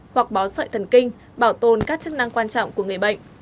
hoặc bó sợi thần kinh bảo tồn các chức năng quan trọng của người bệnh